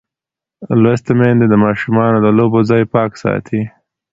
لوستې میندې د ماشومانو د لوبو ځای پاک ساتي.